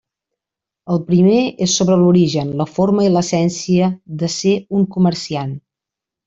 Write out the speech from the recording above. El primer és sobre l'origen, la forma i l'essència de ser un comerciant.